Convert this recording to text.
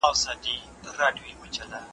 بلکې یو فکري او تمدني